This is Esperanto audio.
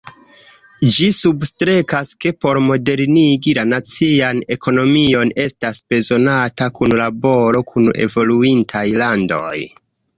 Ĝi substrekas, ke por modernigi la nacian ekonomion estas bezonata kunlaboro kun evoluintaj landoj.